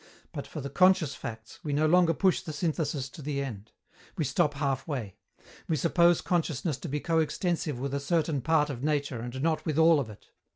But, for the conscious facts, we no longer push the synthesis to the end. We stop half way. We suppose consciousness to be coextensive with a certain part of nature and not with all of it.